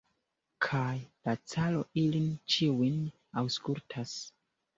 Kaj la caro ilin ĉiujn aŭskultas.